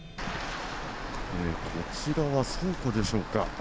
こちらは倉庫でしょうか。